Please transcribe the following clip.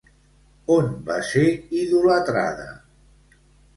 On va ser idolatrada?